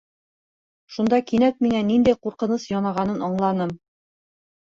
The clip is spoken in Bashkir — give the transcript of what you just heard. Шунда кинәт миңә ниндәй ҡурҡыныс янағанын аңланым.